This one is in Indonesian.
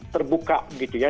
terbuka gitu ya